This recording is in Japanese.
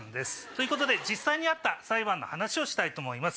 ということで実際にあった裁判の話をしたいと思います。